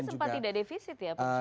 juni ini sempat tidak defisit ya pak